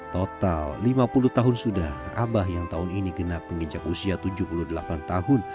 total lima puluh tahun sudah abah yang tahun ini genap menginjak usia tujuh puluh delapan tahun